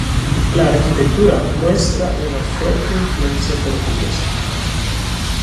La arquitectura muestra una fuerte influencia portuguesa.